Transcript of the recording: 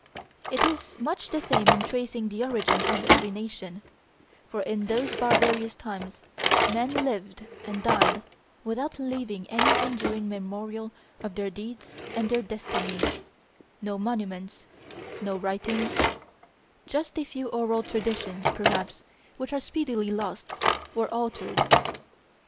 It is much the same in tracing the origin of every nation, for in those barbarous times men lived and died without leaving any enduring memorial of their deeds and their destinies; no monuments; no writings; just a few oral traditions, perhaps, which are speedily lost or altered.